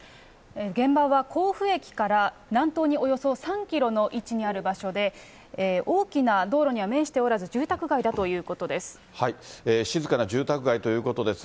現場は甲府駅から南東におよそ３キロの位置にある場所で、大きな道路には面しておらず、住宅街だということです。